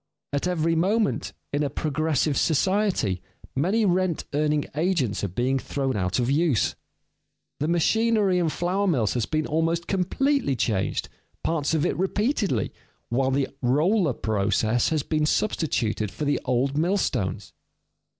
At every moment, in a progressive society, many rent earning agents are being thrown out of use. The machinery in flour mills has been almost completely changed, parts of it repeatedly, while the roller process has been substituted for the old millstones.